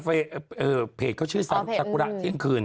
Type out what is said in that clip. เออเพจเขาชื่อสักกุระเที่ยงคืน